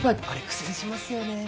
あれ苦戦しますよね。